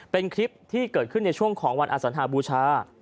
เป็นคลิปที่เกิดขึ้นในช่วงของวันอสัญหาบูชา